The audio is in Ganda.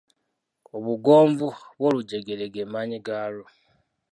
Obugonvu bw'olujegere ge maanyi gaalwo.